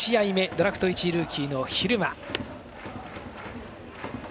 ドラフト１位ルーキーの蛭間。